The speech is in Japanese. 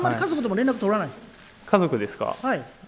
家族ですか。